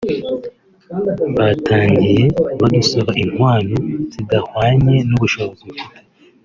batangiye badusaba inkwano zidahwanye n’ubushozi mfite